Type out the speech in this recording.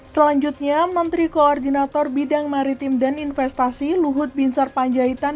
selanjutnya menteri koordinator bidang maritim dan investasi luhut binsar panjaitan